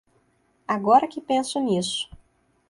Agora que penso nisso.